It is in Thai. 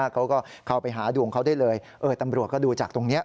เขาก็เข้าไปหาดวงเขาได้เลยตำรวจก็ดูจากตรงนี้